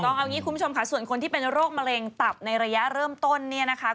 เอางี้คุณผู้ชมค่ะส่วนคนที่เป็นโรคมะเร็งตับในระยะเริ่มต้นเนี่ยนะคะ